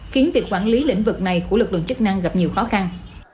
khiến việc quản lý lĩnh vực này của lực lượng chức năng gặp nhiều khó khăn